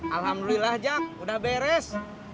alhamdulillah jak udah beres